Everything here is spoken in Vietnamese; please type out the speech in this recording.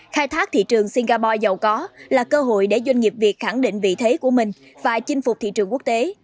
khai thác thị trường singapore giàu có là cơ hội để doanh nghiệp việt khẳng định vị thế của mình và chinh phục thị trường quốc tế